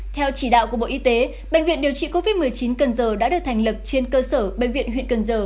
theo chỉ đạo của bộ y tế bệnh viện điều trị covid một mươi chín cần giờ đã được thành lập trên cơ sở bệnh viện huyện cần giờ